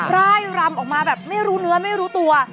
ร่ายรำออกมาแบบไม่รู้เนื้อไม่รู้ตัว